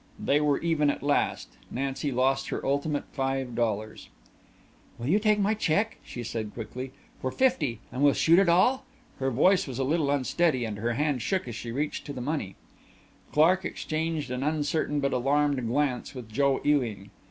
They were even at last Nancy lost her ultimate five dollars. "Will you take my check," she said quickly, "for fifty, and we'll shoot it all?" Her voice was a little unsteady and her hand shook as she reached to the money. Clark exchanged an uncertain but alarmed glance with Joe Ewing.